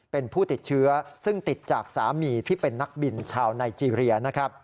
เป็นผู้ติดเชื้อซึ่งติดจากสามีที่เป็นนักบินชาวไนเจรีย